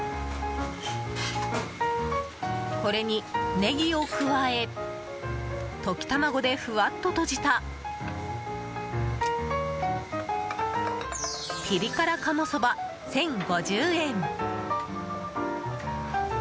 これにネギを加え溶き卵でふわっととじたピリ辛鴨そば、１０５０円。